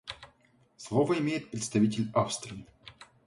Слово имеет представитель Австрии.